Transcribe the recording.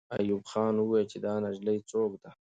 ایوب خان وویل چې دا نجلۍ څوک ده.